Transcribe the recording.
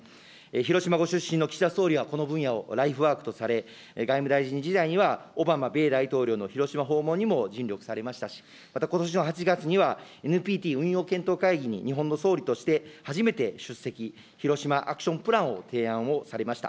広島ご出身の岸田総理はこの分野をライフワークとされ、外務大臣時代には、オバマ米大統領の広島訪問にも尽力されましたし、またことしの８月には、ＮＰＴ運用検討会議に日本の総理として初めて出席、広島アクションプランを提案をされました。